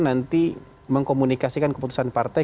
nanti mengkomunikasikan keputusan partai